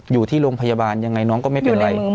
อยู่ที่โรงพยาบาลยังไงน้องก็ไม่เป็นไร